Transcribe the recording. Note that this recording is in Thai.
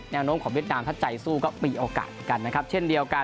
โน้มของเวียดนามถ้าใจสู้ก็มีโอกาสเหมือนกันนะครับเช่นเดียวกัน